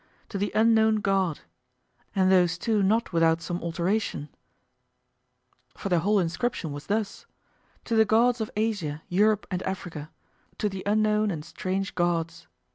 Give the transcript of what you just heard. "To the unknown God;" and those too not without some alteration, for the whole inscription was thus: "To the Gods of Asia, Europe, and Africa; To the unknown and strange Gods."